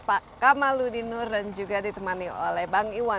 pak kamaludinur dan juga ditemani oleh bang iwan